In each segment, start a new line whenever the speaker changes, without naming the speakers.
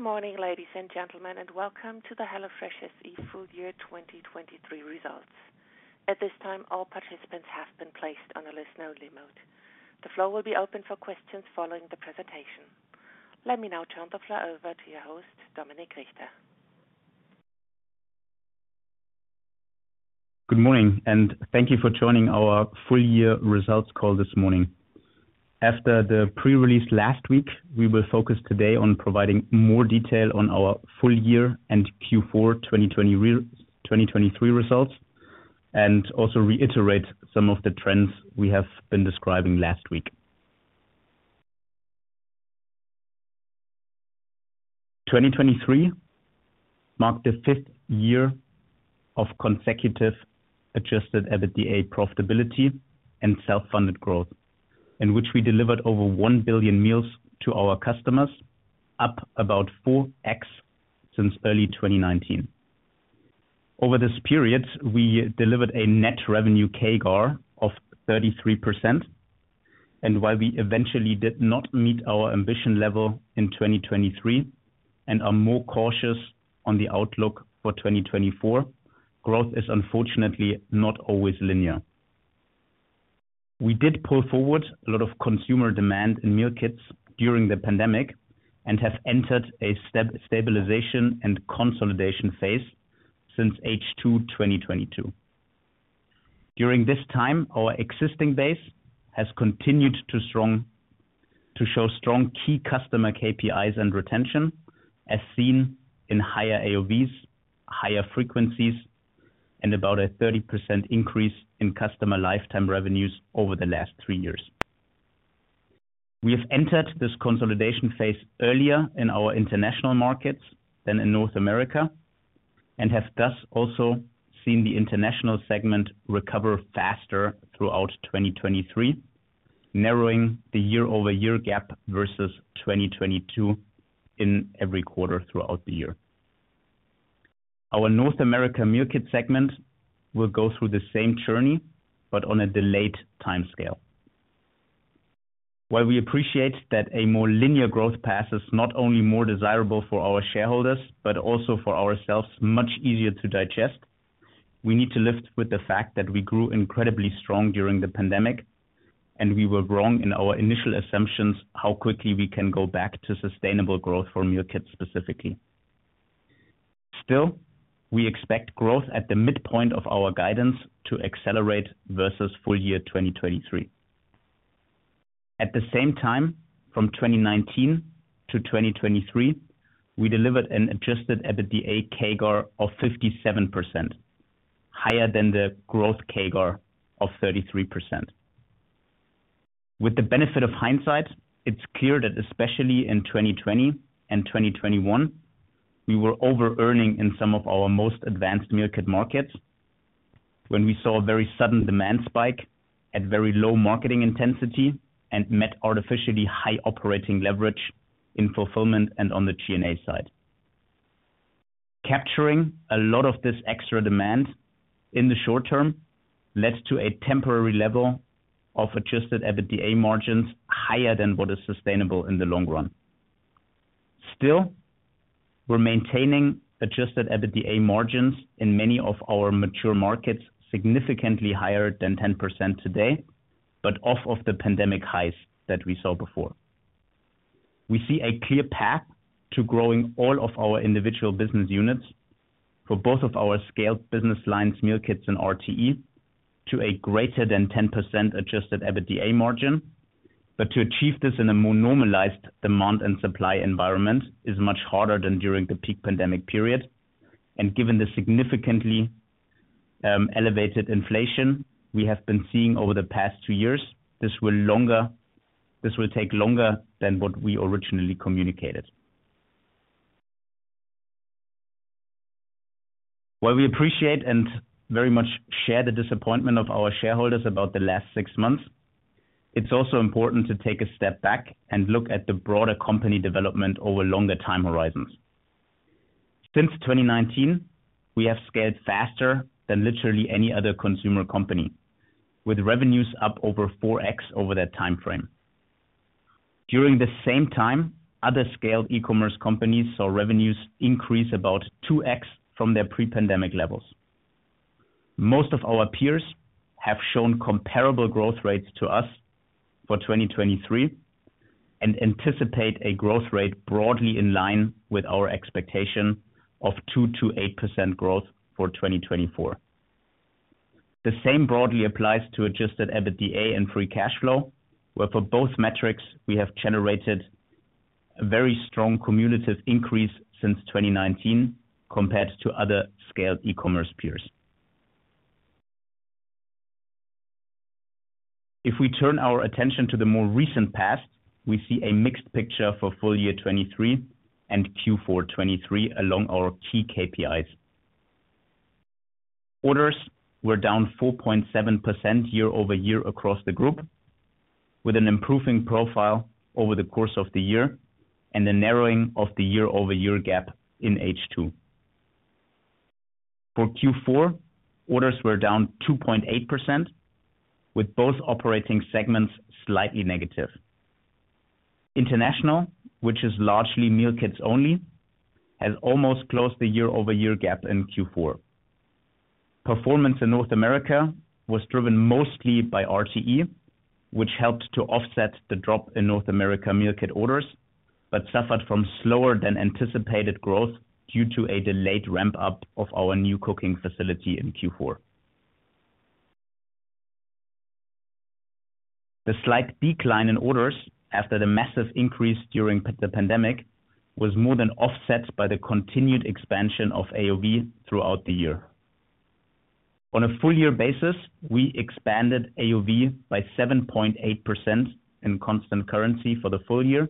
Good morning, ladies and gentlemen, and welcome to the HelloFresh SE full year 2023 results. At this time, all participants have been placed on a listen-only mode. The floor will be open for questions following the presentation. Let me now turn the floor over to your host, Dominik Richter.
Good morning, and thank you for joining our full year results call this morning. After the pre-release last week, we will focus today on providing more detail on our full year and Q4 2023 results, and also reiterate some of the trends we have been describing last week. 2023 marked the fifth year of consecutive adjusted EBITDA profitability and self-funded growth, in which we delivered over 1 billion meals to our customers, up about 4x since early 2019. Over this period, we delivered a net revenue CAGR of 33%, and while we eventually did not meet our ambition level in 2023 and are more cautious on the outlook for 2024, growth is unfortunately not always linear. We did pull forward a lot of consumer demand in meal kits during the pandemic and have entered a stabilization and consolidation phase since H2 2022. During this time, our existing base has continued to show strong key customer KPIs and retention, as seen in higher AOVs, higher frequencies, and about a 30% increase in customer lifetime revenues over the last three years. We have entered this consolidation phase earlier in our international markets than in North America, and have thus also seen the international segment recover faster throughout 2023, narrowing the year-over-year gap versus 2022 in every quarter throughout the year. Our North America meal kit segment will go through the same journey, but on a delayed timescale. While we appreciate that a more linear growth path is not only more desirable for our shareholders, but also for ourselves, much easier to digest, we need to live with the fact that we grew incredibly strong during the pandemic, and we were wrong in our initial assumptions, how quickly we can go back to sustainable growth for meal kits, specifically. Still, we expect growth at the midpoint of our guidance to accelerate versus full year 2023. At the same time, from 2019 to 2023, we delivered an Adjusted EBITDA CAGR of 57%, higher than the growth CAGR of 33%. With the benefit of hindsight, it's clear that especially in 2020 and 2021, we were over-earning in some of our most advanced meal kit markets. When we saw a very sudden demand spike at very low marketing intensity and met artificially high operating leverage in fulfillment and on the G&A side. Capturing a lot of this extra demand in the short term led to a temporary level of Adjusted EBITDA margins higher than what is sustainable in the long run. Still, we're maintaining Adjusted EBITDA margins in many of our mature markets, significantly higher than 10% today, but off of the pandemic highs that we saw before. We see a clear path to growing all of our individual business units for both of our scaled business lines, meal kits and RTE, to a greater than 10% Adjusted EBITDA margin. But to achieve this in a more normalized demand and supply environment is much harder than during the peak pandemic period. Given the significantly elevated inflation we have been seeing over the past two years, this will take longer than what we originally communicated. While we appreciate and very much share the disappointment of our shareholders about the last six months, it's also important to take a step back and look at the broader company development over longer time horizons. Since 2019, we have scaled faster than literally any other consumer company, with revenues up over 4x over that time frame. During the same time, other scaled e-commerce companies saw revenues increase about 2x from their pre-pandemic levels. Most of our peers have shown comparable growth rates to us for 2023, and anticipate a growth rate broadly in line with our expectation of 2%-8% growth for 2024. The same broadly applies to Adjusted EBITDA and Free Cash Flow, where for both metrics, we have generated a very strong cumulative increase since 2019 compared to other scaled e-commerce peers. If we turn our attention to the more recent past, we see a mixed picture for full year 2023 and Q4 2023 along our key KPIs. Orders were down 4.7% year-over-year across the group, with an improving profile over the course of the year and a narrowing of the year-over-year gap in H2. For Q4, orders were down 2.8%, with both operating segments slightly negative. International, which is largely meal kits only, has almost closed the year-over-year gap in Q4. Performance in North America was driven mostly by RTE, which helped to offset the drop in North America meal kit orders, but suffered from slower than anticipated growth due to a delayed ramp-up of our new cooking facility in Q4. The slight decline in orders after the massive increase during the pandemic was more than offset by the continued expansion of AOV throughout the year. On a full year basis, we expanded AOV by 7.8% in constant currency for the full year,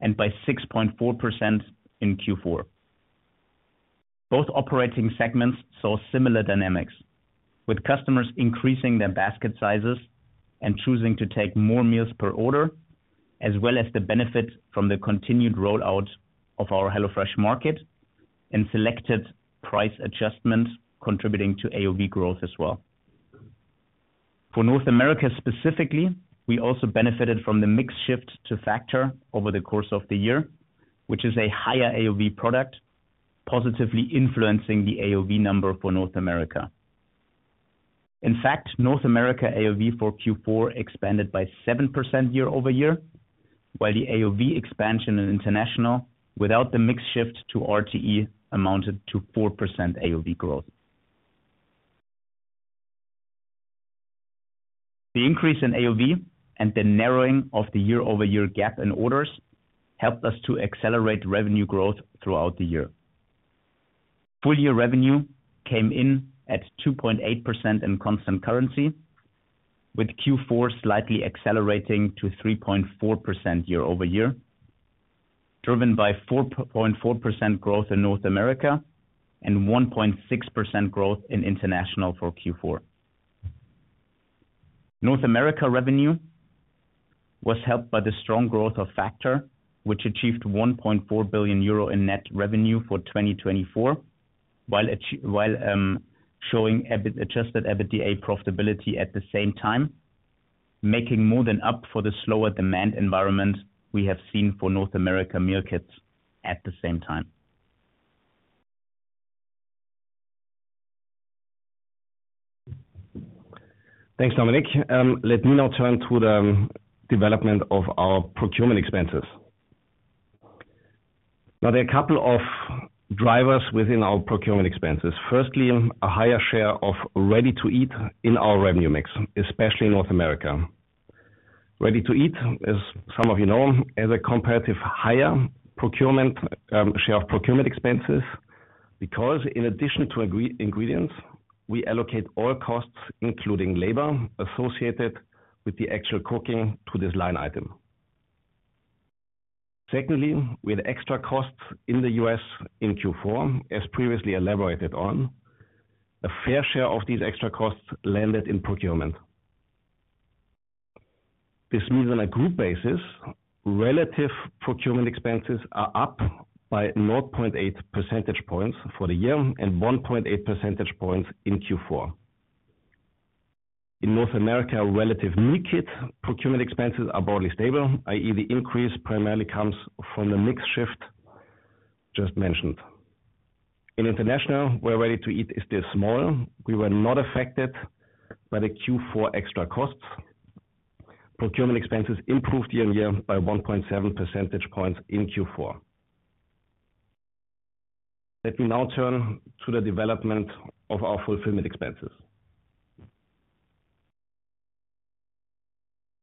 and by 6.4% in Q4. Both operating segments saw similar dynamics, with customers increasing their basket sizes and choosing to take more meals per order, as well as the benefit from the continued rollout of our HelloFresh Market and selected price adjustments contributing to AOV growth as well. For North America specifically, we also benefited from the mix shift to Factor over the course of the year, which is a higher AOV product, positively influencing the AOV number for North America. In fact, North America AOV for Q4 expanded by 7% year-over-year, while the AOV expansion in International, without the mix shift to RTE, amounted to 4% AOV growth. The increase in AOV and the narrowing of the year-over-year gap in orders helped us to accelerate revenue growth throughout the year. Full year revenue came in at 2.8% in constant currency, with Q4 slightly accelerating to 3.4% year-over-year, driven by 4.4% growth in North America and 1.6% growth in International for Q4. North America revenue was helped by the strong growth of Factor, which achieved 1.4 billion euro in net revenue for 2024, while showing EBIT, Adjusted EBITDA profitability at the same time, making more than up for the slower demand environment we have seen for North America meal kits at the same time.
Thanks, Dominik. Let me now turn to the development of our procurement expenses. Now, there are a couple of drivers within our procurement expenses. Firstly, a higher share of ready-to-eat in our revenue mix, especially in North America. Ready-to-eat, as some of you know, has a comparatively higher procurement share of procurement expenses, because in addition to ingredients, we allocate all costs, including labor, associated with the actual cooking to this line item. Secondly, with extra costs in the U.S. in Q4, as previously elaborated on, a fair share of these extra costs landed in procurement. This means on a group basis, relative procurement expenses are up by 0.8 percentage points for the year and 1.8 percentage points in Q4. In North America, relative meal kit procurement expenses are broadly stable, i.e., the increase primarily comes from the mix shift just mentioned. In International, where ready-to-eat is still small, we were not affected by the Q4 extra costs. Procurement expenses improved year-on-year by 1.7 percentage points in Q4. Let me now turn to the development of our fulfillment expenses.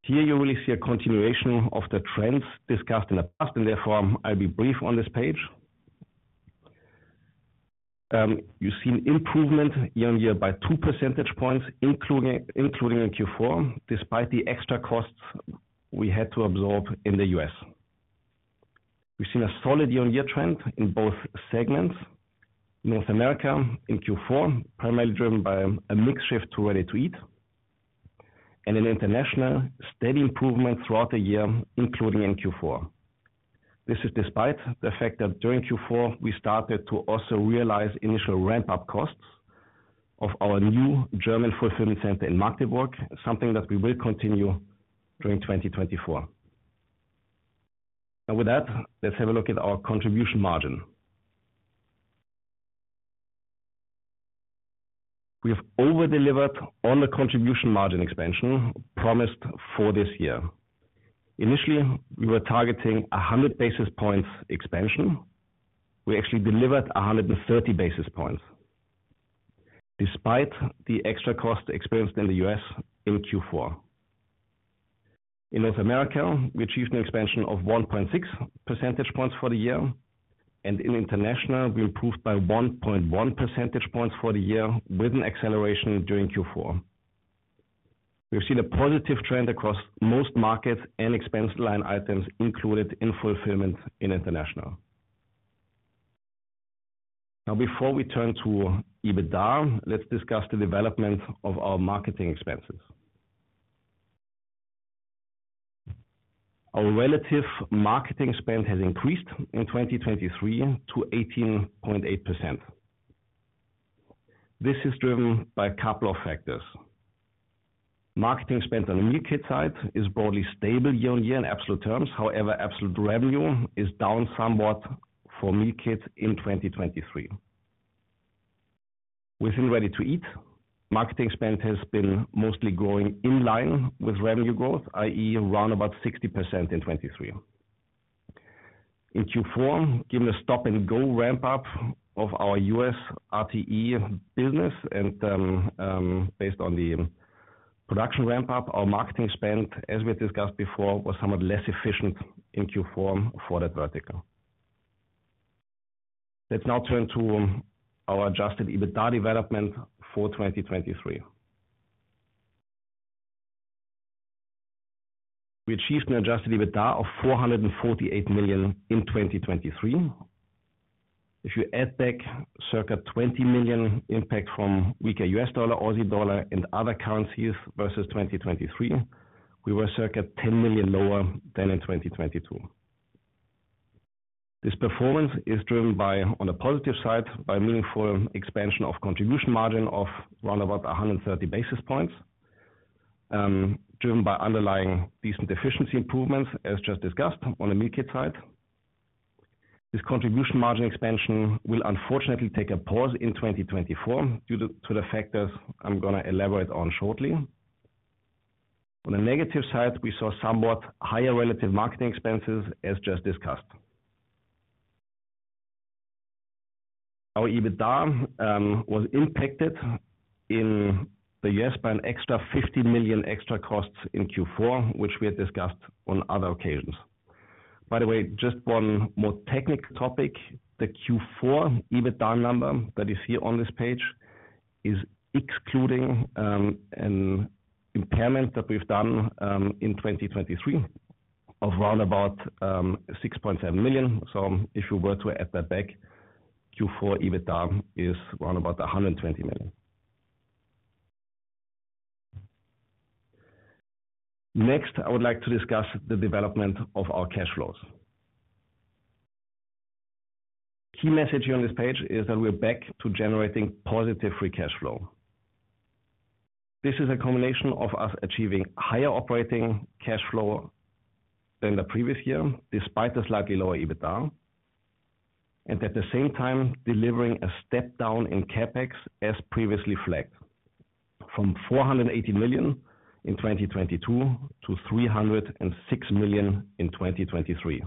Here you really see a continuation of the trends discussed in the past, and therefore, I'll be brief on this page. You've seen improvement year-on-year by 2 percentage points, including in Q4, despite the extra costs we had to absorb in the U.S. We've seen a solid year-on-year trend in both segments. North America in Q4, primarily driven by a mix shift to ready-to-eat, and in International, steady improvement throughout the year, including in Q4. This is despite the fact that during Q4, we started to also realize initial ramp-up costs of our new German fulfillment center in Magdeburg, something that we will continue during 2024. Now with that, let's have a look at our contribution margin. We have over-delivered on the contribution margin expansion promised for this year. Initially, we were targeting 100 basis points expansion. We actually delivered 130 basis points, despite the extra cost experienced in the U.S. in Q4. In North America, we achieved an expansion of 1.6 percentage points for the year, and in international, we improved by 1.1 percentage points for the year with an acceleration during Q4. We've seen a positive trend across most markets and expense line items included in fulfillment in international. Now, before we turn to EBITDA, let's discuss the development of our marketing expenses.... Our relative marketing spend has increased in 2023 to 18.8%. This is driven by a couple of factors. Marketing spend on the meal kit side is broadly stable year-on-year in absolute terms. However, absolute revenue is down somewhat for meal kit in 2023. Within ready to eat, marketing spend has been mostly growing in line with revenue growth, i.e., around about 60% in 2023. In Q4, given the stop-and-go ramp-up of our US RTE business and, based on the production ramp-up, our marketing spend, as we discussed before, was somewhat less efficient in Q4 for that vertical. Let's now turn to our adjusted EBITDA development for 2023. We achieved an adjusted EBITDA of 448 million in 2023. If you add back circa 20 million impact from weaker US dollar, Aussie dollar, and other currencies versus 2023, we were circa 10 million lower than in 2022. This performance is driven by, on the positive side, by meaningful expansion of contribution margin of round about 130 basis points, driven by underlying decent efficiency improvements, as just discussed on the meal kit side. This contribution margin expansion will unfortunately take a pause in 2024 due to, to the factors I'm going to elaborate on shortly. On the negative side, we saw somewhat higher relative marketing expenses, as just discussed. Our EBITDA was impacted in the US by an extra 50 million extra costs in Q4, which we have discussed on other occasions. By the way, just one more technical topic. The Q4 EBITDA number that you see on this page is excluding an impairment that we've done in 2023 of round about 6.7 million. So if you were to add that back, Q4 EBITDA is around about 120 million. Next, I would like to discuss the development of our cash flows. Key message on this page is that we're back to generating positive free cash flow. This is a combination of us achieving higher operating cash flow than the previous year, despite the slightly lower EBITDA, and at the same time delivering a step down in CapEx as previously flagged, from 480 million in 2022 to 306 million in 2023.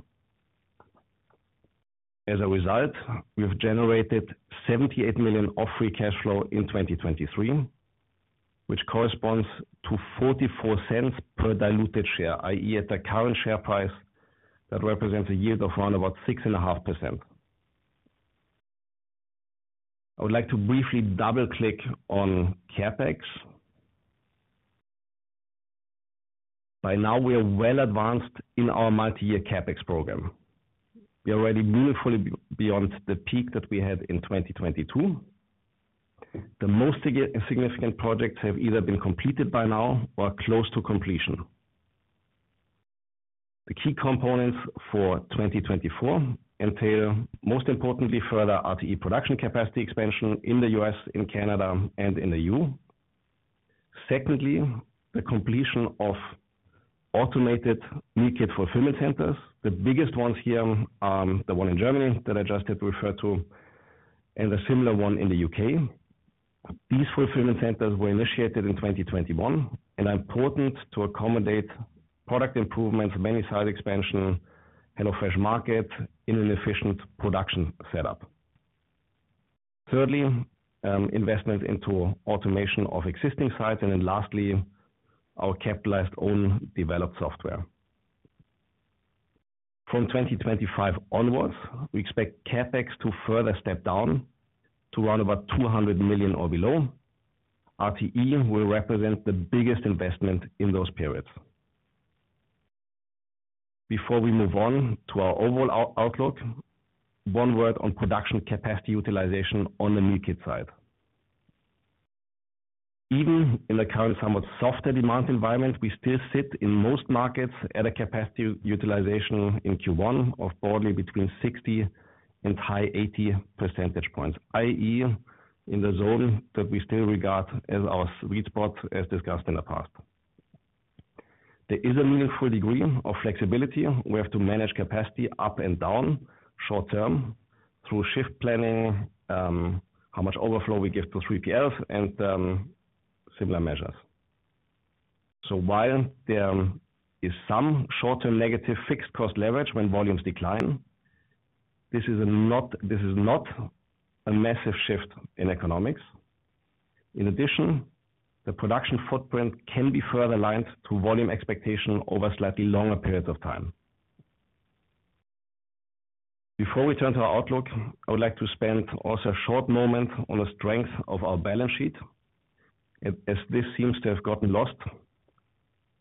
As a result, we've generated 78 million of free cash flow in 2023, which corresponds to 0.44 per diluted share, i.e., at the current share price, that represents a yield of round about 6.5%. I would like to briefly double-click on CapEx. By now, we are well advanced in our multi-year CapEx program. We are already meaningfully beyond the peak that we had in 2022. The most significant projects have either been completed by now or are close to completion. The key components for 2024 entail, most importantly, further RTE production capacity expansion in the US, in Canada, and in the EU. Secondly, the completion of automated meal kit fulfillment centers. The biggest ones here are the one in Germany that I just referred to and a similar one in the UK. These fulfillment centers were initiated in 2021 and are important to accommodate product improvements, menu size expansion, and a fresh market in an efficient production setup. Thirdly, investment into automation of existing sites, and then lastly, our capitalized own developed software. From 2025 onwards, we expect CapEx to further step down to around about 200 million or below. RTE will represent the biggest investment in those periods. Before we move on to our overall outlook, one word on production capacity utilization on the meal kit side. Even in the current, somewhat softer demand environment, we still sit in most markets at a capacity utilization in Q1 of broadly between 60 and high 80 percentage points, i.e., in the zone that we still regard as our sweet spot, as discussed in the past. There is a meaningful degree of flexibility. We have to manage capacity up and down short-term through shift planning, how much overflow we give to 3PLs and, similar measures. So while there is some short-term negative fixed cost leverage when volumes decline, this is not, this is not a massive shift in economics. In addition, the production footprint can be further aligned to volume expectation over a slightly longer period of time. Before we turn to our outlook, I would like to spend also a short moment on the strength of our balance sheet, as, as this seems to have gotten lost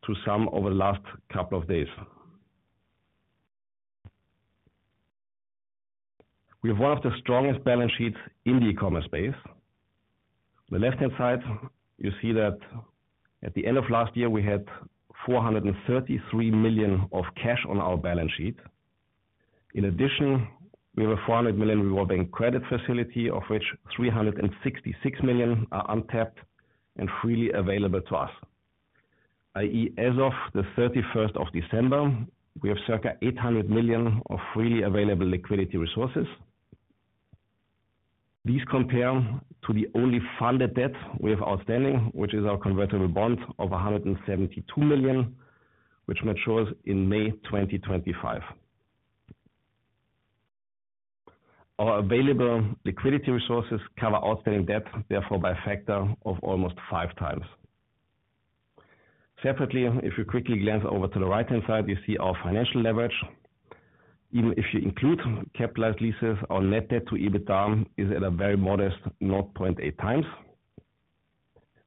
to some over the last couple of days. We have one of the strongest balance sheets in the e-commerce space. The left-hand side, you see that at the end of last year, we had 433 million of cash on our balance sheet. In addition, we have a 400 million revolving credit facility, of which 366 million are untapped and freely available to us, i.e., as of the 31st of December, we have circa 800 million of freely available liquidity resources. These compare to the only funded debt we have outstanding, which is our convertible bond of 172 million, which matures in May 2025. Our available liquidity resources cover outstanding debt, therefore, by a factor of almost 5 times. Separately, if you quickly glance over to the right-hand side, you see our financial leverage. Even if you include capitalized leases, our net debt to EBITDA is at a very modest 0.8 times.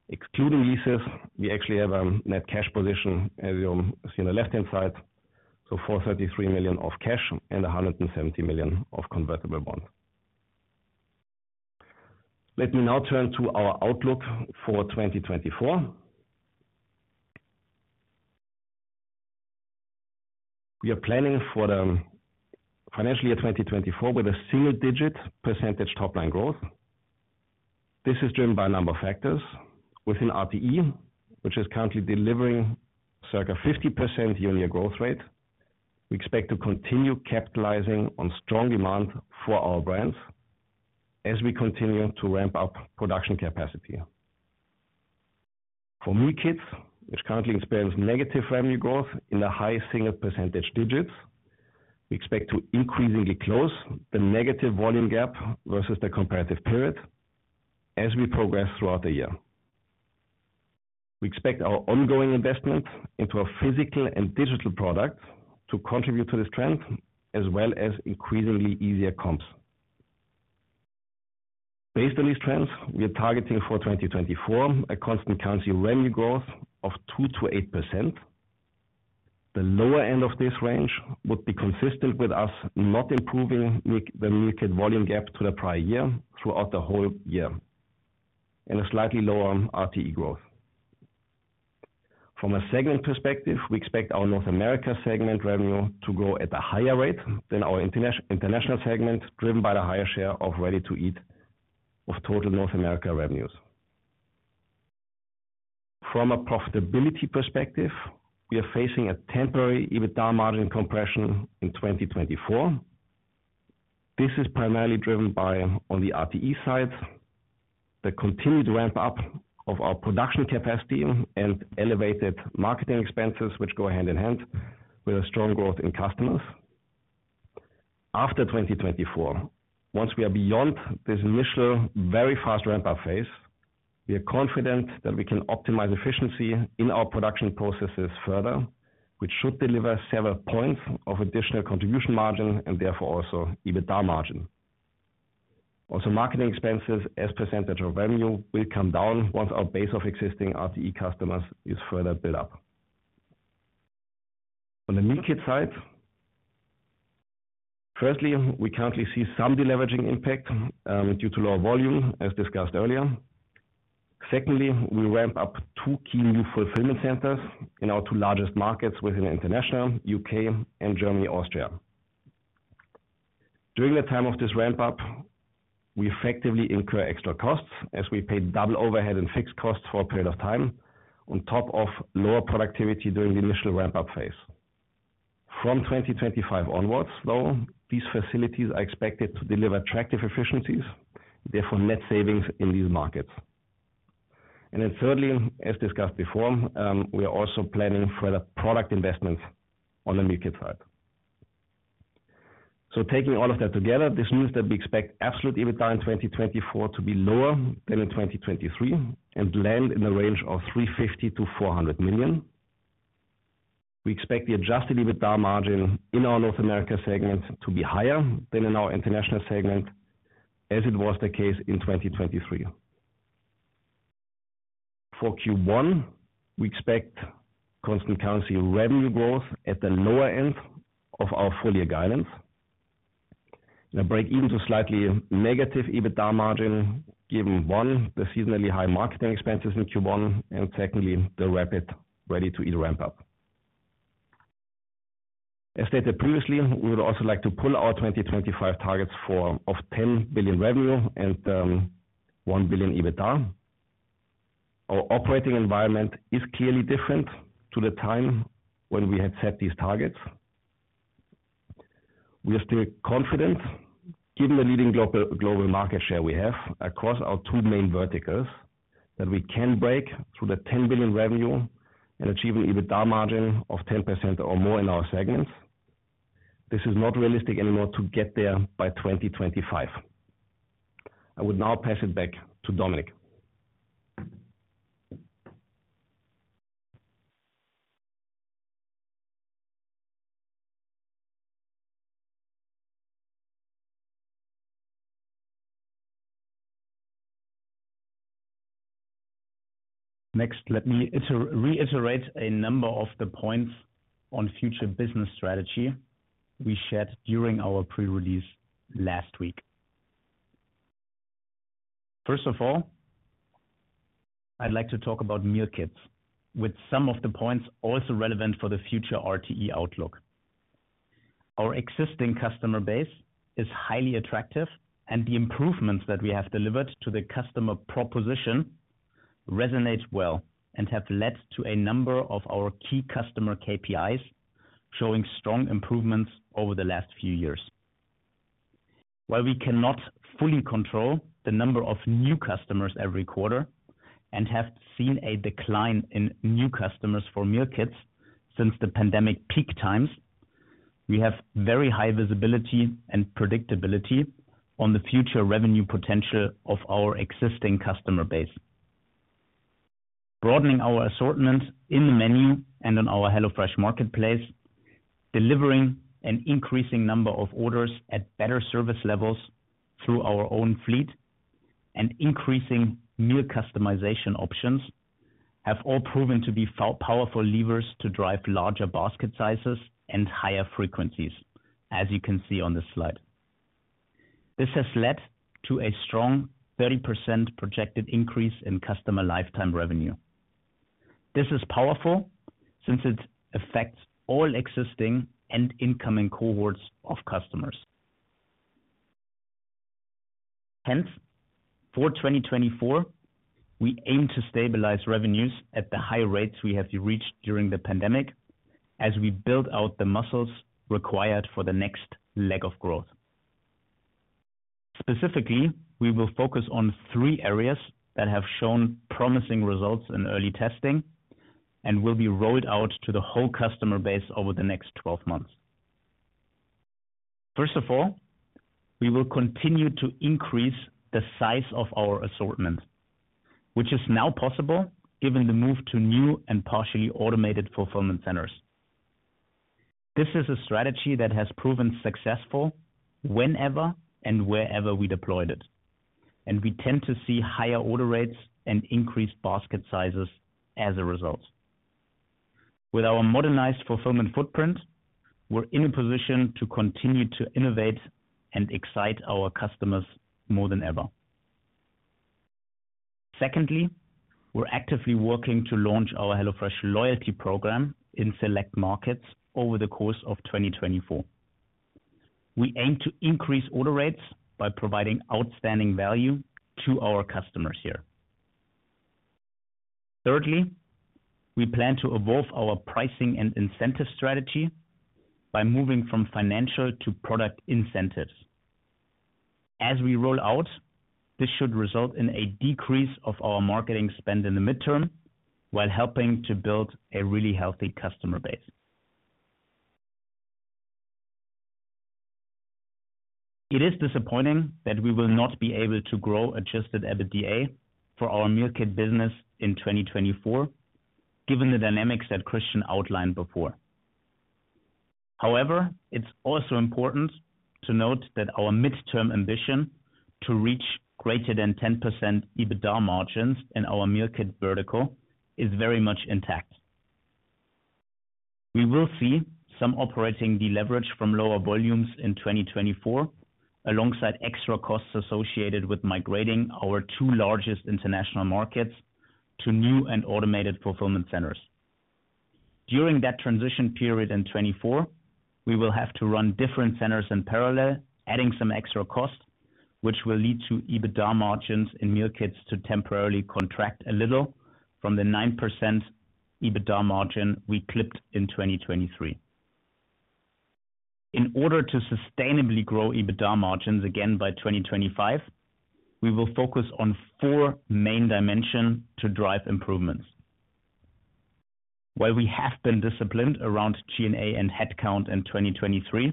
Excluding leases, we actually have net cash position, as you see on the left-hand side, so 433 million of cash and 170 million of convertible bonds. Let me now turn to our outlook for 2024. We are planning for the financial year 2024, with a single-digit % top-line growth. This is driven by a number of factors. Within RTE, which is currently delivering circa 50% year-over-year growth rate, we expect to continue capitalizing on strong demand for our brands as we continue to ramp up production capacity. For meal kits, which currently experience negative revenue growth in the high single percentage digits, we expect to increasingly close the negative volume gap versus the comparative period as we progress throughout the year. We expect our ongoing investment into our physical and digital product to contribute to the strength as well as increasingly easier comps. Based on these trends, we are targeting for 2024, a constant currency revenue growth of 2%-8%. The lower end of this range would be consistent with us not improving the meal kit volume gap to the prior year throughout the whole year, and a slightly lower RTE growth. From a segment perspective, we expect our North America segment revenue to grow at a higher rate than our International segment, driven by the higher share of Ready-to-Eat of total North America revenues. From a profitability perspective, we are facing a temporary EBITDA margin compression in 2024. This is primarily driven by, on the RTE side, the continued ramp-up of our production capacity and elevated marketing expenses, which go hand-in-hand with a strong growth in customers. After 2024, once we are beyond this initial, very fast ramp-up phase, we are confident that we can optimize efficiency in our production processes further, which should deliver several points of additional contribution margin and therefore also EBITDA margin. Also, marketing expenses, as a percentage of revenue, will come down once our base of existing RTE customers is further built up. On the meal kit side, firstly, we currently see some deleveraging impact, due to lower volume, as discussed earlier. Secondly, we ramp up two key new fulfillment centers in our two largest markets within the international, UK and Germany, Austria. During the time of this ramp-up, we effectively incur extra costs as we pay double overhead and fixed costs for a period of time, on top of lower productivity during the initial ramp-up phase. From 2025 onwards, though, these facilities are expected to deliver attractive efficiencies, therefore net savings in these markets. And then thirdly, as discussed before, we are also planning further product investments on the meal kit side. So taking all of that together, this means that we expect absolute EBITDA in 2024 to be lower than in 2023, and land in the range of 350 million-400 million. We expect the adjusted EBITDA margin in our North America segment to be higher than in our international segment, as it was the case in 2023. For Q1, we expect constant currency revenue growth at the lower end of our full year guidance, and a breakeven to slightly negative EBITDA margin, given, one, the seasonally high marketing expenses in Q1, and secondly, the rapid ready-to-eat ramp-up. As stated previously, we would also like to pull our 2025 targets for 10 billion revenue and, 1 billion EBITDA. Our operating environment is clearly different to the time when we had set these targets. We are still confident, given the leading global, global market share we have across our two main verticals, that we can break through the 10 billion revenue and achieve an Adjusted EBITDA margin of 10% or more in our segments. This is not realistic anymore to get there by 2025. I would now pass it back to Dominik....
Next, let me reiterate a number of the points on future business strategy we shared during our pre-release last week. First of all, I'd like to talk about meal kits, with some of the points also relevant for the future RTE outlook. Our existing customer base is highly attractive, and the improvements that we have delivered to the customer proposition resonates well, and have led to a number of our key customer KPIs, showing strong improvements over the last few years. While we cannot fully control the number of new customers every quarter, and have seen a decline in new customers for meal kits since the pandemic peak times, we have very high visibility and predictability on the future revenue potential of our existing customer base. Broadening our assortment in the menu and on our HelloFresh Marketplace, delivering an increasing number of orders at better service levels through our own fleet, and increasing meal customization options, have all proven to be powerful levers to drive larger basket sizes and higher frequencies, as you can see on this slide. This has led to a strong 30% projected increase in customer lifetime revenue. This is powerful, since it affects all existing and incoming cohorts of customers. Hence, for 2024, we aim to stabilize revenues at the high rates we have reached during the pandemic, as we build out the muscles required for the next leg of growth. Specifically, we will focus on three areas that have shown promising results in early testing and will be rolled out to the whole customer base over the next 12 months. First of all, we will continue to increase the size of our assortment, which is now possible, given the move to new and partially automated fulfillment centers. This is a strategy that has proven successful whenever and wherever we deployed it, and we tend to see higher order rates and increased basket sizes as a result. With our modernized fulfillment footprint, we're in a position to continue to innovate and excite our customers more than ever. Secondly, we're actively working to launch our HelloFresh loyalty program in select markets over the course of 2024. We aim to increase order rates by providing outstanding value to our customers here. Thirdly, we plan to evolve our pricing and incentive strategy by moving from financial to product incentives. As we roll out, this should result in a decrease of our marketing spend in the midterm, while helping to build a really healthy customer base. It is disappointing that we will not be able to grow Adjusted EBITDA for our meal kit business in 2024, given the dynamics that Christian outlined before. However, it's also important to note that our midterm ambition to reach greater than 10% EBITDA margins in our meal kit vertical is very much intact. We will see some operating deleverage from lower volumes in 2024, alongside extra costs associated with migrating our two largest international markets to new and automated fulfillment centers. During that transition period in 2024, we will have to run different centers in parallel, adding some extra cost, which will lead to EBITDA margins in meal kits to temporarily contract a little from the 9% EBITDA margin we clipped in 2023. In order to sustainably grow EBITDA margins again by 2025, we will focus on four main dimensions to drive improvements. While we have been disciplined around G&A and headcount in 2023,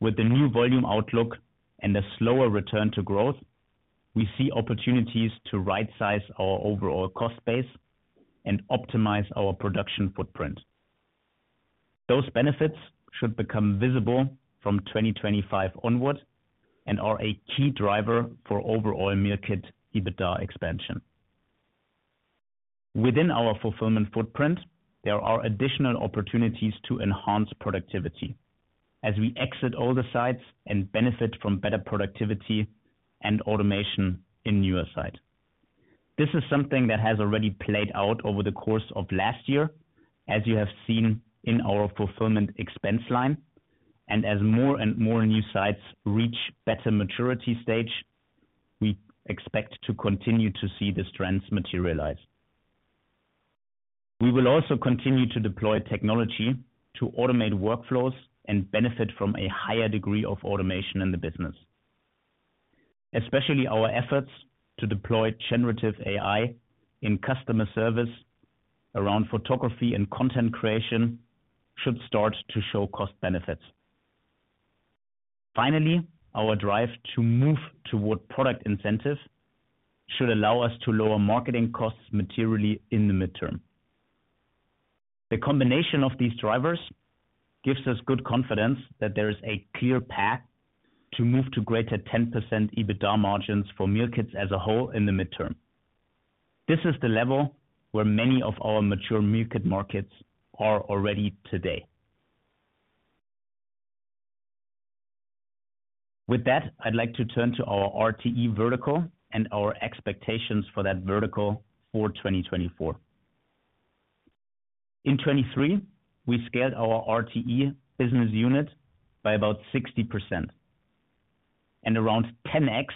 with the new volume outlook and a slower return to growth, we see opportunities to rightsize our overall cost base and optimize our production footprint. Those benefits should become visible from 2025 onward and are a key driver for overall meal kit EBITDA expansion. Within our fulfillment footprint, there are additional opportunities to enhance productivity as we exit older sites and benefit from better productivity and automation in newer sites. This is something that has already played out over the course of last year, as you have seen in our fulfillment expense line, and as more and more new sites reach better maturity stage, we expect to continue to see the strengths materialize. We will also continue to deploy technology to automate workflows and benefit from a higher degree of automation in the business. Especially our efforts to deploy generative AI in customer service around photography and content creation should start to show cost benefits. Finally, our drive to move toward product incentives should allow us to lower marketing costs materially in the midterm. The combination of these drivers gives us good confidence that there is a clear path to move to greater 10% EBITDA margins for meal kits as a whole in the midterm. This is the level where many of our mature meal kit markets are already today. With that, I'd like to turn to our RTE vertical and our expectations for that vertical for 2024. In 2023, we scaled our RTE business unit by about 60%, and around 10x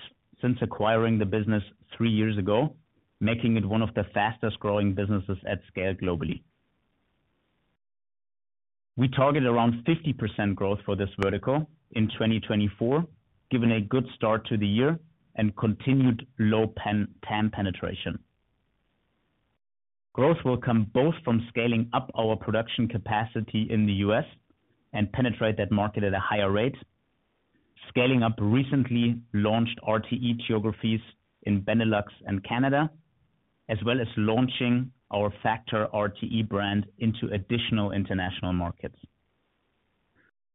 since acquiring the business three years ago, making it one of the fastest growing businesses at scale globally. We target around 50% growth for this vertical in 2024, given a good start to the year and continued low TAM penetration. Growth will come both from scaling up our production capacity in the U.S. and penetrate that market at a higher rate, scaling up recently launched RTE geographies in Benelux and Canada, as well as launching our Factor RTE brand into additional international markets.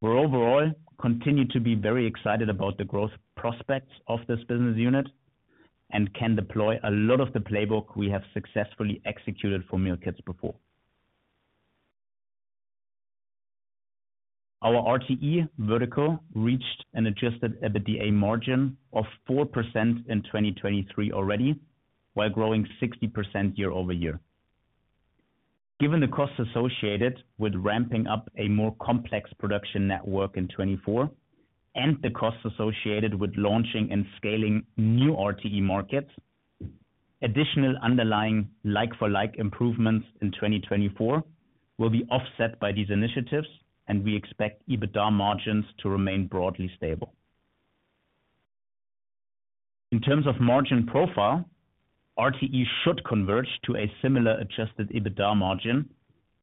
We're overall continue to be very excited about the growth prospects of this business unit and can deploy a lot of the playbook we have successfully executed for meal kits before. Our RTE vertical reached an adjusted EBITDA margin of 4% in 2023 already, while growing 60% year-over-year. Given the costs associated with ramping up a more complex production network in 2024 and the costs associated with launching and scaling new RTE markets, additional underlying like-for-like improvements in 2024 will be offset by these initiatives, and we expect EBITDA margins to remain broadly stable. In terms of margin profile, RTE should converge to a similar adjusted EBITDA margin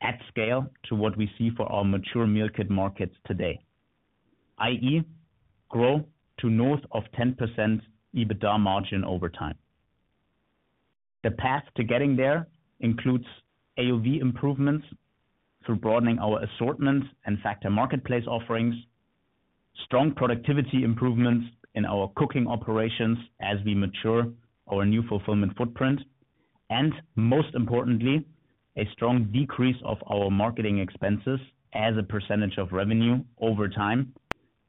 at scale to what we see for our mature meal kit markets today, i.e., grow to north of 10% EBITDA margin over time. The path to getting there includes AOV improvements through broadening our assortments and Factor Marketplace offerings, strong productivity improvements in our cooking operations as we mature our new fulfillment footprint, and most importantly, a strong decrease of our marketing expenses as a percentage of revenue over time,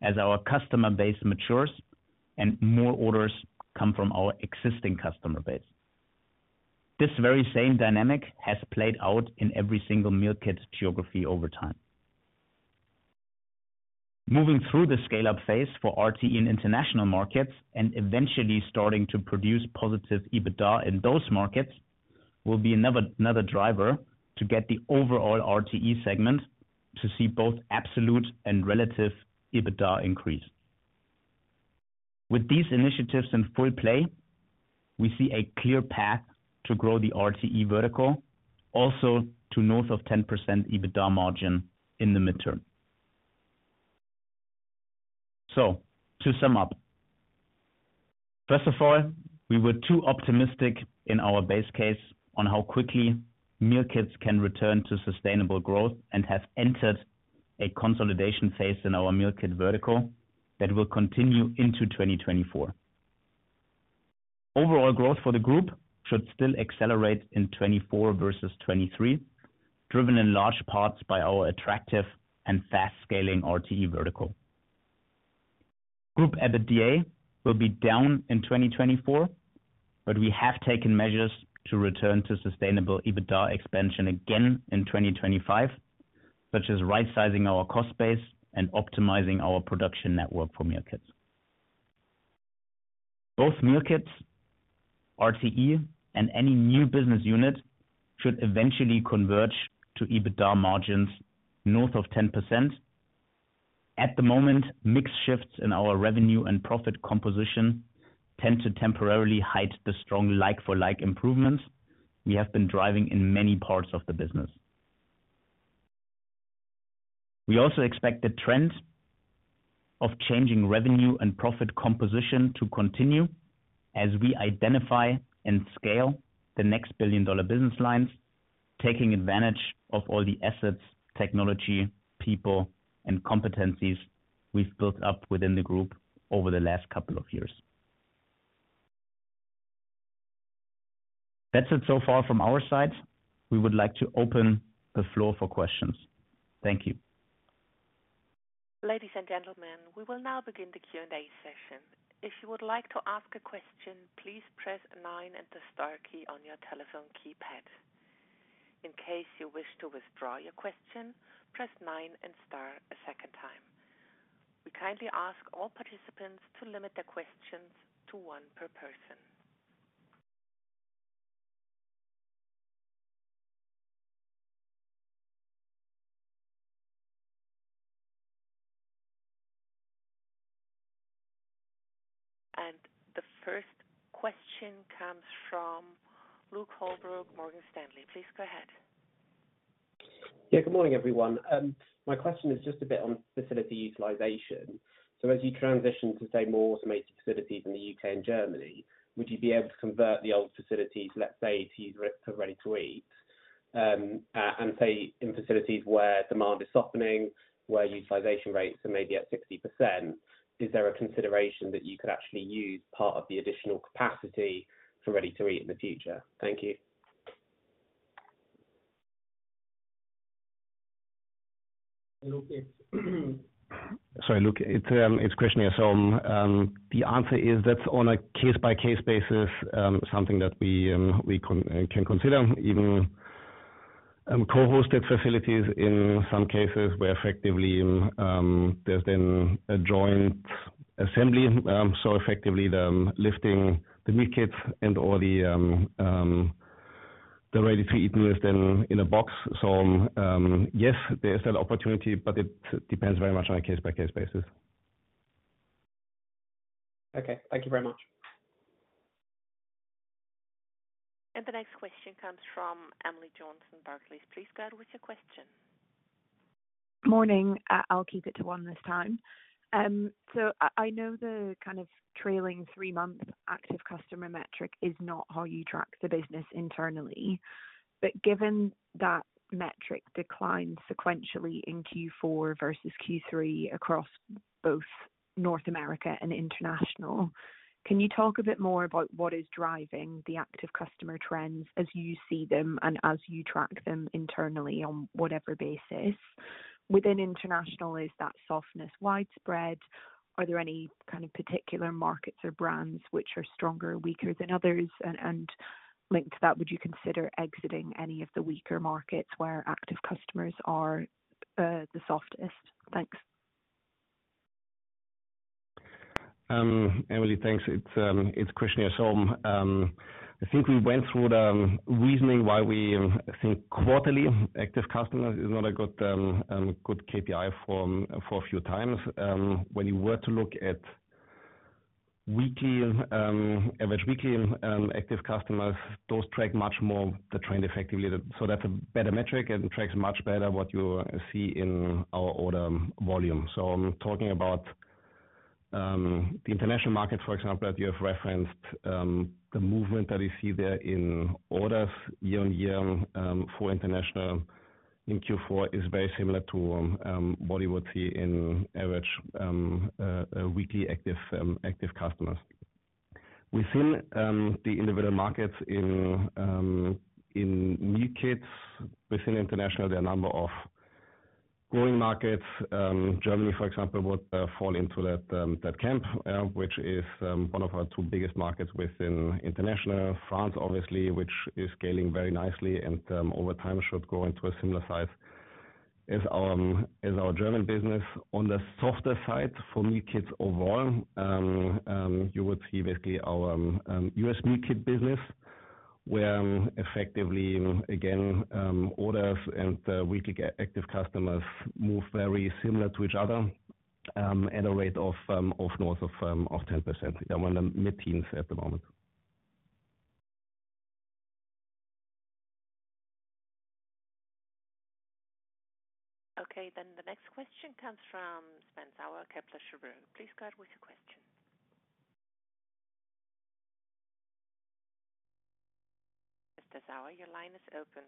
as our customer base matures and more orders come from our existing customer base. This very same dynamic has played out in every single meal kit geography over time. Moving through the scale-up phase for RTE in international markets and eventually starting to produce positive EBITDA in those markets, will be another driver to get the overall RTE segment to see both absolute and relative EBITDA increase. With these initiatives in full play, we see a clear path to grow the RTE vertical, also to north of 10% EBITDA margin in the midterm. So to sum up, first of all, we were too optimistic in our base case on how quickly meal kits can return to sustainable growth and have entered a consolidation phase in our meal kit vertical that will continue into 2024. Overall growth for the group should still accelerate in 2024 versus 2023, driven in large parts by our attractive and fast-scaling RTE vertical. Group EBITDA will be down in 2024, but we have taken measures to return to sustainable EBITDA expansion again in 2025, such as right sizing our cost base and optimizing our production network for meal kits. Both meal kits, RTE, and any new business unit should eventually converge to EBITDA margins north of 10%. At the moment, mix shifts in our revenue and profit composition tend to temporarily hide the strong like-for-like improvements we have been driving in many parts of the business. We also expect the trends of changing revenue and profit composition to continue as we identify and scale the next billion-dollar business lines, taking advantage of all the assets, technology, people, and competencies we've built up within the group over the last couple of years. That's it so far from our side. We would like to open the floor for questions. Thank you.
Ladies and gentlemen, we will now begin the Q&A session. If you would like to ask a question, please press nine and the star key on your telephone keypad. In case you wish to withdraw your question, press nine and star a second time. We kindly ask all participants to limit their questions to one per person. The first question comes from Luke Holbrook, Morgan Stanley. Please go ahead.
Yeah, good morning, everyone. My question is just a bit on facility utilization. So as you transition to, say, more automated facilities in the U.K. and Germany, would you be able to convert the old facilities, let's say, to use for ready-to-eat? And say in facilities where demand is softening, where utilization rates are maybe at 60%, is there a consideration that you could actually use part of the additional capacity for ready-to-eat in the future? Thank you.
Sorry, Luke, it's Christian here. So, the answer is that's on a case-by-case basis, something that we can consider. Even co-hosted facilities in some cases where effectively there's been a joint assembly. So effectively lifting the meal kits and all the ready-to-eat meals then in a box. So yes, there is that opportunity, but it depends very much on a case-by-case basis.
Okay, thank you very much.
The next question comes from Emily Johnson, Barclays. Please go ahead with your question.
Morning. I'll keep it to one this time. So I know the kind of trailing three-month active customer metric is not how you track the business internally. But given that metric declined sequentially in Q4 versus Q3 across both North America and International, can you talk a bit more about what is driving the active customer trends as you see them and as you track them internally on whatever basis? Within International, is that softness widespread? Are there any kind of particular markets or brands which are stronger or weaker than others? And linked to that, would you consider exiting any of the weaker markets where active customers are the softest? Thanks.
Emily, thanks. It's Christian here. So, I think we went through the reasoning why we think quarterly active customers is not a good KPI for a few times. When you were to look at average weekly active customers, those track much more the trend effectively. So that's a better metric and tracks much better what you see in our order volume. So I'm talking about the international market, for example, that you have referenced, the movement that we see there in orders year-on-year for international in Q4 is very similar to what you would see in average weekly active customers. Within the individual markets in meal kits, within international, there are a number of growing markets. Germany, for example, would fall into that camp, which is one of our two biggest markets within International. France, obviously, which is scaling very nicely and, over time, should grow into a similar size as our German business. On the softer side, for meal kits overall, you would see basically our U.S. meal kit business, where effectively, again, orders and weekly active customers move very similar to each other, at a rate of north of 10%, yeah, we're in the mid-teens at the moment.
Okay, then the next question comes from Sven Sauer, Kepler Cheuvreux. Please go ahead with your question. Mr. Sauer, your line is open.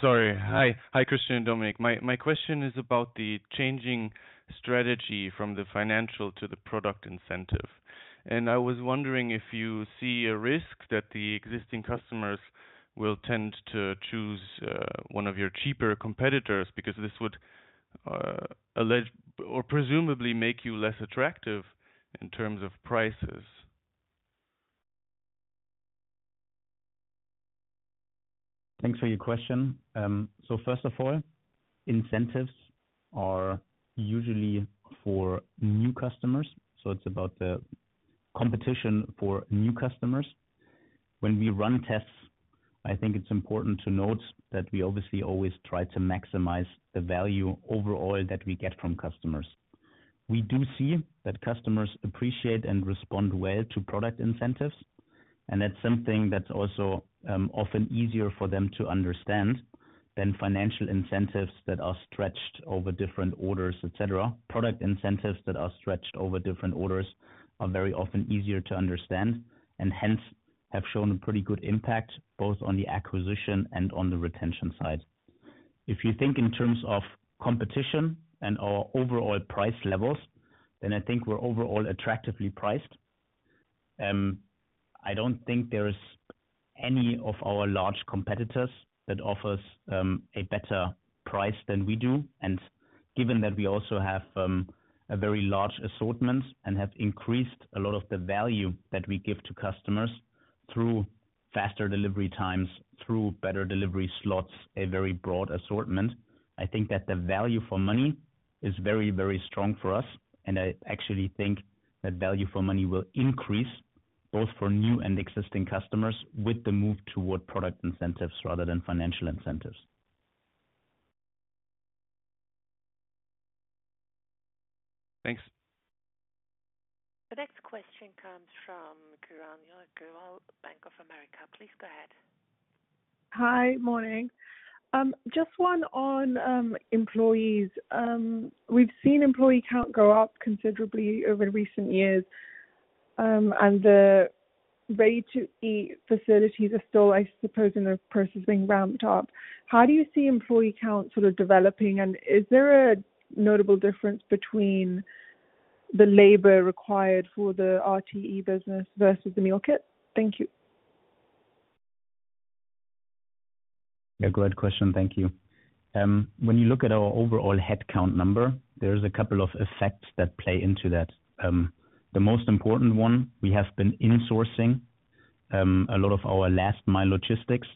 Sorry. Hi. Hi, Christian and Dominik. My question is about the changing strategy from the financial to the product incentive. And I was wondering if you see a risk that the existing customers will tend to choose one of your cheaper competitors, because this would allege or presumably make you less attractive in terms of prices?
Thanks for your question. So first of all, incentives are usually for new customers, so it's about the competition for new customers. When we run tests, I think it's important to note that we obviously always try to maximize the value overall that we get from customers. We do see that customers appreciate and respond well to product incentives, and that's something that's also often easier for them to understand than financial incentives that are stretched over different orders, et cetera. Product incentives that are stretched over different orders are very often easier to understand, and hence, have shown a pretty good impact, both on the acquisition and on the retention side. If you think in terms of competition and our overall price levels, then I think we're overall attractively priced. I don't think there is any of our large competitors that offers a better price than we do. And given that we also have a very large assortment and have increased a lot of the value that we give to customers through faster delivery times, through better delivery slots, a very broad assortment, I think that the value for money is very, very strong for us. And I actually think that value for money will increase both for new and existing customers, with the move toward product incentives rather than financial incentives.
Thanks.
The next question comes from Kiranjot Grewal, Bank of America. Please go ahead.
Hi, morning. Just one on employees. We've seen employee count go up considerably over recent years, and the ready-to-eat facilities are still, I suppose, in the process of being ramped up. How do you see employee count sort of developing, and is there a notable difference between the labor required for the RTE business versus the meal kit? Thank you.
Yeah, great question. Thank you. When you look at our overall headcount number, there is a couple of effects that play into that. The most important one, we have been insourcing a lot of our last mile logistics,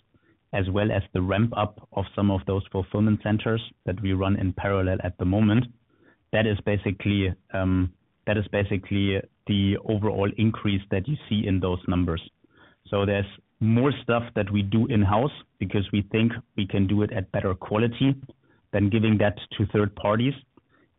as well as the ramp up of some of those fulfillment centers that we run in parallel at the moment. That is basically the overall increase that you see in those numbers. So there's more stuff that we do in-house because we think we can do it at better quality than giving that to third parties.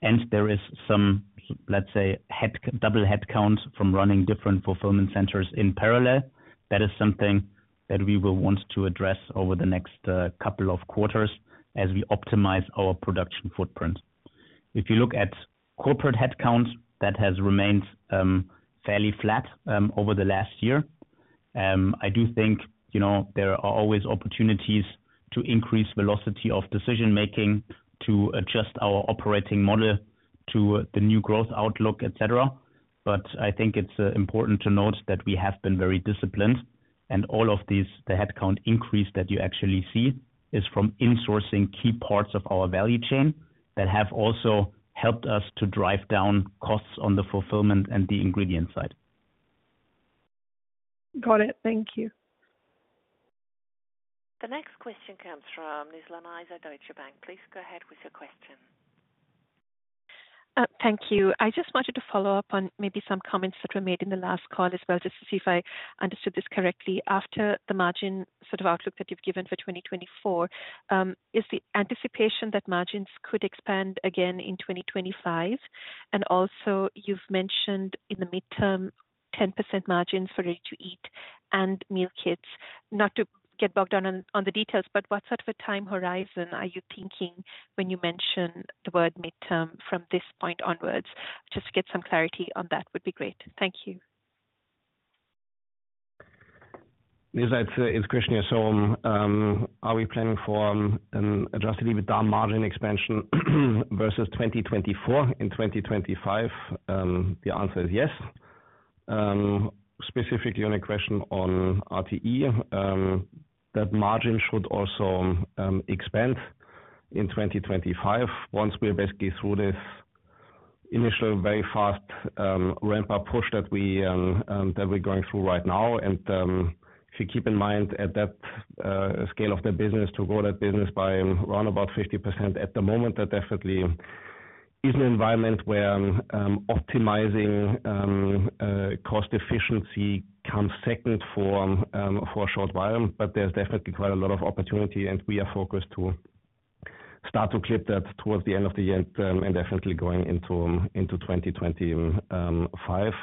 And there is some, let's say, head, double headcounts from running different fulfillment centers in parallel. That is something that we will want to address over the next couple of quarters as we optimize our production footprint. If you look at corporate headcount, that has remained fairly flat over the last year. I do think, you know, there are always opportunities to increase velocity of decision-making, to adjust our operating model to the new growth outlook, et cetera. But I think it's important to note that we have been very disciplined, and all of these, the headcount increase that you actually see, is from insourcing key parts of our value chain that have also helped us to drive down costs on the fulfillment and the ingredient side.
Got it. Thank you.
The next question comes from Ms. Nizla Naizer, Deutsche Bank. Please go ahead with your question.
Thank you. I just wanted to follow up on maybe some comments that were made in the last call, as well, just to see if I understood this correctly. After the margin sort of outlook that you've given for 2024, is the anticipation that margins could expand again in 2025? And also you've mentioned in the midterm, 10% margins for ready to eat and meal kits. Not to get bogged down on, on the details, but what sort of a time horizon are you thinking when you mention the word midterm from this point onwards? Just to get some clarity on that would be great. Thank you.
Lisa, it's Christian here. So, are we planning for adjusted EBITDA margin expansion versus 2024 and 2025? The answer is yes. Specifically on a question on RTE, that margin should also expand in 2025, once we're basically through this initial, very fast ramp-up push that we're going through right now. And, if you keep in mind, at that scale of the business, to grow that business by around about 50%, at the moment, that definitely is an environment where optimizing cost efficiency comes second for a short while. But there's definitely quite a lot of opportunity, and we are focused to start to clip that towards the end of the year, and definitely going into 2025.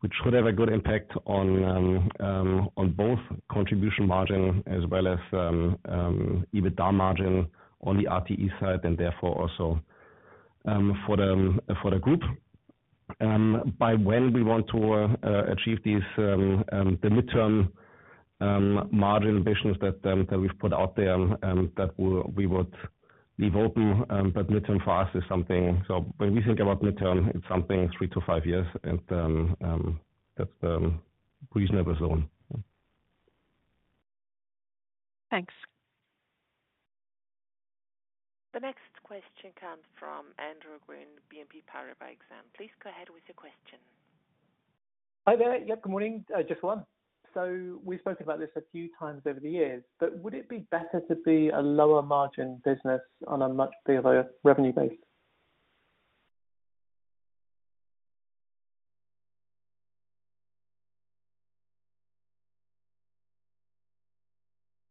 Which should have a good impact on both contribution margin as well as EBITDA margin on the RTE side, and therefore also for the group. By when we want to achieve these midterm margin visions that we've put out there that we would leave open. But midterm for us is something. So when we think about midterm, it's something three to five years, and that's reasonable as well.
Thanks.
The next question comes from Andrew Gwynn, BNP Paribas Exane. Please go ahead with your question.
Hi there. Yep, good morning. Just one. So we've spoken about this a few times over the years, but would it be better to be a lower margin business on a much bigger revenue base?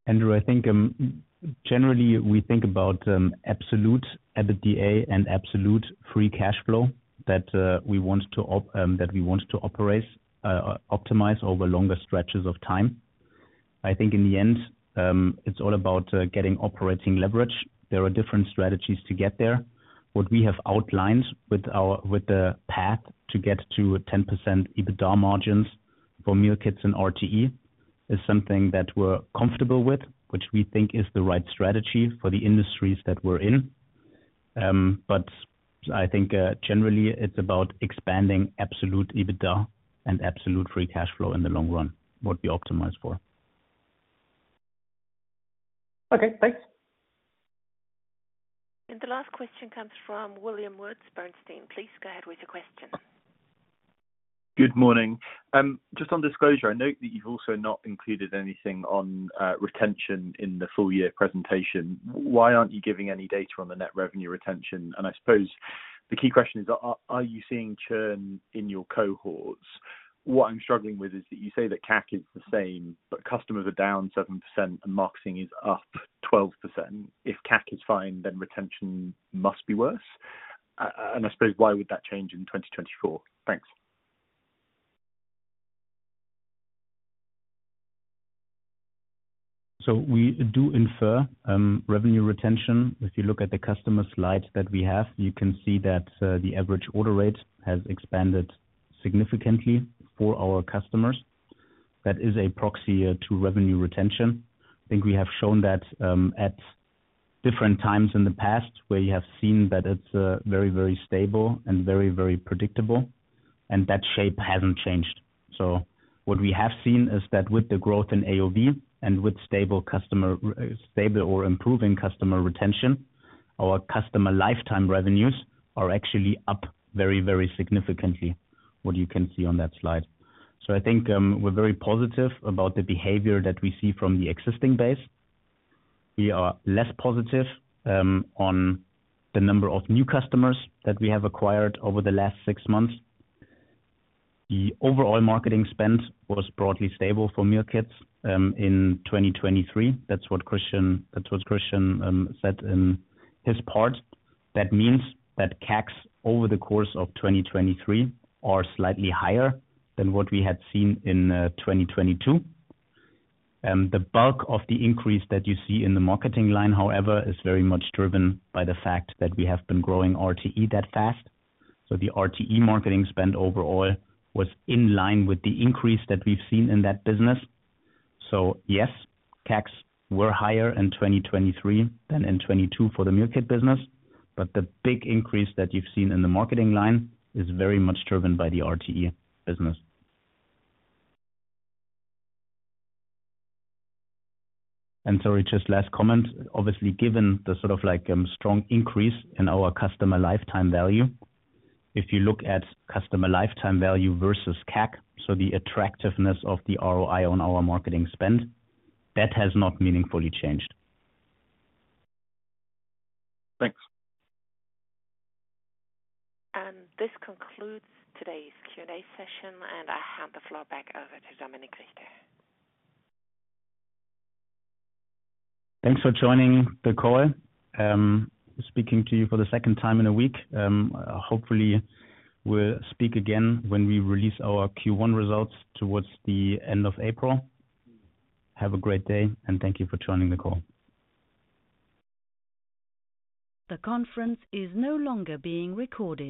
Andrew, I think, generally, we think about absolute EBITDA and absolute free cash flow that we want to operate, optimize over longer stretches of time. I think in the end, it's all about getting operating leverage. There are different strategies to get there. What we have outlined with our - with the path to get to 10% EBITDA margins for meal kits and RTE is something that we're comfortable with, which we think is the right strategy for the industries that we're in. But I think, generally it's about expanding absolute EBITDA and absolute free cash flow in the long run, what we optimize for.
Okay, thanks.
The last question comes from William Woods, Bernstein. Please go ahead with your question.
Good morning. Just on disclosure, I note that you've also not included anything on retention in the full year presentation. Why aren't you giving any data on the net revenue retention? And I suppose the key question is, are you seeing churn in your cohorts? What I'm struggling with is that you say that CAC is the same, but customers are down 7% and marketing is up 12%. If CAC is fine, then retention must be worse. I suppose why would that change in 2024? Thanks. ...
So we do infer revenue retention. If you look at the customer slides that we have, you can see that, the average order rate has expanded significantly for our customers. That is a proxy to revenue retention. I think we have shown that, at different times in the past, where you have seen that it's very, very stable and very, very predictable, and that shape hasn't changed. So what we have seen is that with the growth in AOV and with stable customer stable or improving customer retention, our customer lifetime revenues are actually up very, very significantly, what you can see on that slide. So I think, we're very positive about the behavior that we see from the existing base. We are less positive on the number of new customers that we have acquired over the last six months. The overall marketing spend was broadly stable for meal kits in 2023. That's what Christian said in his part. That means that CACs over the course of 2023 are slightly higher than what we had seen in 2022. The bulk of the increase that you see in the marketing line, however, is very much driven by the fact that we have been growing RTE that fast. So the RTE marketing spend overall was in line with the increase that we've seen in that business. So yes, CACs were higher in 2023 than in 2022 for the meal kit business, but the big increase that you've seen in the marketing line is very much driven by the RTE business. And sorry, just last comment. Obviously, given the sort of, like, strong increase in our customer lifetime value, if you look at customer lifetime value versus CAC, so the attractiveness of the ROI on our marketing spend, that has not meaningfully changed.
Thanks.
This concludes today's Q&A session, and I hand the floor back over to Dominik Richter.
Thanks for joining the call. Speaking to you for the second time in a week. Hopefully, we'll speak again when we release our Q1 results towards the end of April. Have a great day, and thank you for joining the call. The conference is no longer being recorded.